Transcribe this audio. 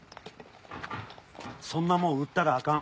そんなもん売ったらあかん。